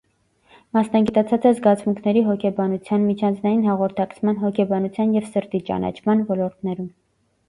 Մասնագիտացած է զգացմունքների հոգեբանության, միջանձնային հաղորդակցման, հոգեբանության և «ստի ճանաչման» ոլորտներում։